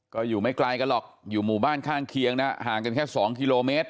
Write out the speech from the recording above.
ก็อยู่ไม่ไกลกันหรอกอยู่หมู่บ้านข้างเคียงนะห่างกันแค่๒กิโลเมตร